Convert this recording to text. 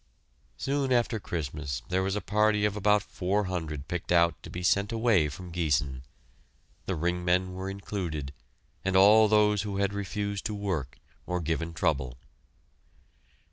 Soon after Christmas there was a party of about four hundred picked out to be sent away from Giessen; the ring men were included, and all those who had refused to work or given trouble.